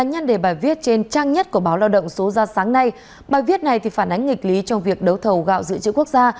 hợp đồng số ra sáng nay bài viết này phản ánh nghịch lý trong việc đấu thầu gạo dự trữ quốc gia